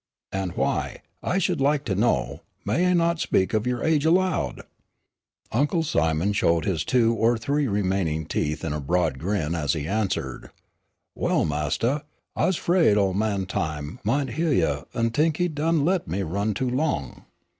"And, why, I should like to know, may I not speak of your age aloud?" Uncle Simon showed his two or three remaining teeth in a broad grin as he answered: "Well, Mastah, I's 'fraid ol' man Time mought hyeah you an' t'ink he done let me run too long."